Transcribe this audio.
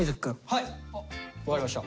はい分かりました。